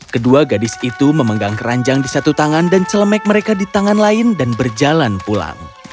kedua gadis itu memegang keranjang di satu tangan dan celemek mereka di tangan lain dan berjalan pulang